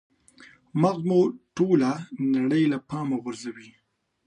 مغز مو ټوله نړۍ له پامه غورځوي.